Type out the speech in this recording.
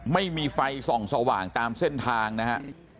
ไม่มีไฟส่องสว่างตามเส้นทางนะฮะ